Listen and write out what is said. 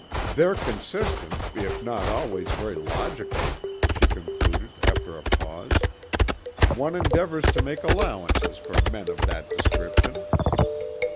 "They're consistent, if not always very logical," she concluded after a pause. "One endeavours to make allowances for men of that description."